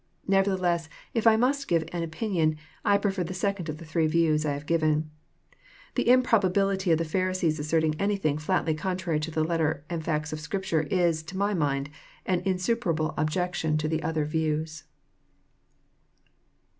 Nevertheless if I must give an opinion, I prefer the second of the three views I have given. The improbability of the Pharisees asserting anything flatly contrary to the letter and facts of Scripture, is, to my mind, an insuperable objection to the other views.